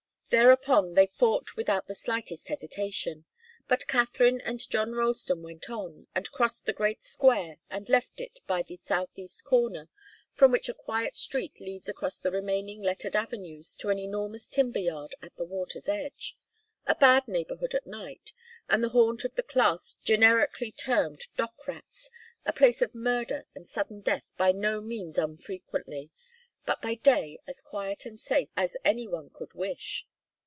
Thereupon they fought without the slightest hesitation. But Katharine and John Ralston went on, and crossed the great square and left it by the southeast corner, from which a quiet street leads across the remaining lettered avenues to an enormous timber yard at the water's edge, a bad neighbourhood at night, and the haunt of the class generically termed dock rats, a place of murder and sudden death by no means unfrequently, but by day as quiet and safe as any one could wish.